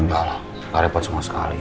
nggak lah nggak repot semua sekali